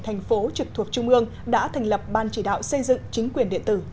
thành phố trực thuộc trung ương đã thành lập ban chỉ đạo xây dựng chính quyền điện tử